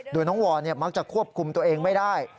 โดยน้องวอนมักจะควบคุมตัวเองไม่ได้